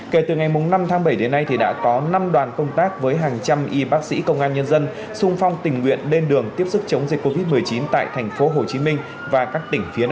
kể từ ngày năm tháng bảy đến nay đã có năm đoàn công tác với hàng trăm y bác sĩ công an nhân dân xung phong tình nguyện lên đường tiếp xúc chống dịch covid một mươi chín tại thành phố hồ chí minh và các tỉnh phía nam